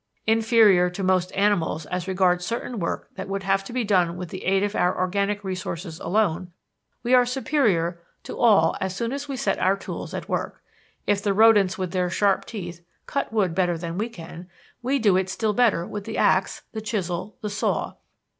"Inferior to most animals as regards certain work that would have to be done with the aid of our organic resources alone, we are superior to all as soon as we set our tools at work. If the rodents with their sharp teeth cut wood better than we can, we do it still better with the ax, the chisel, the saw.